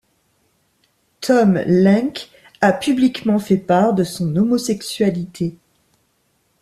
Tom Lenk a publiquement fait part de son homosexualité.